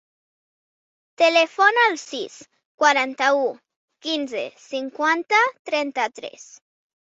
Telefona al sis, quaranta-u, quinze, cinquanta, trenta-tres.